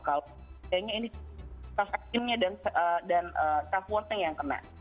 kayaknya ini staff action nya dan staff working yang kena